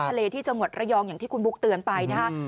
ทะเลที่จังหวัดระยองอย่างที่คุณบุ๊กเตือนไปนะฮะ